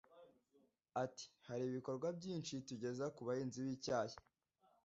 Ati “Hari ibikorwa byinshi tugeza ku bahinzi b’icyayi